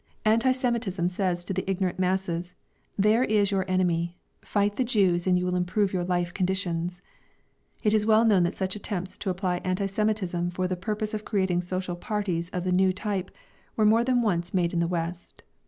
Anti Semitism says to the ignorant masses: "There is your enemy, fight the Jews, and you will improve your life conditions...." It is well known that such attempts to apply anti Semitism for the purpose of creating social parties of the new type were more than once made in the West.